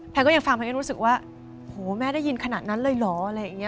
ก็ยังฟังแพทย์ก็รู้สึกว่าโหแม่ได้ยินขนาดนั้นเลยเหรออะไรอย่างนี้